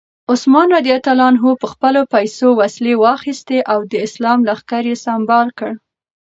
عثمان رض په خپلو پیسو وسلې واخیستې او د اسلام لښکر یې سمبال کړ.